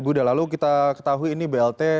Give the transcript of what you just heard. ibu ida lalu kita ketahui ini blt